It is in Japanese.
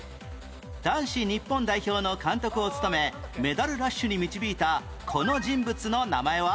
男子日本代表の監督を務めメダルラッシュに導いたこの人物の名前は？